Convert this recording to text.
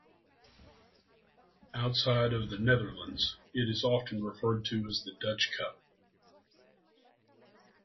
Outside of the Netherlands, it is often referred to as the Dutch Cup.